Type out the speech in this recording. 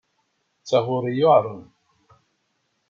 D taɣuri yuεren.